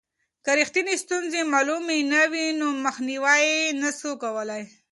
که رښتینې ستونزې معلومې نه وي نو مخنیوی یې نسو کولای.